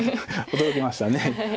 驚きました。